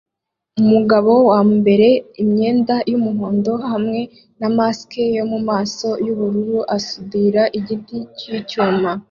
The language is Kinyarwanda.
Umugabo wambaye imyenda yumuhondo hamwe na mask yo mumaso yubururu asudira igiti cyicyuma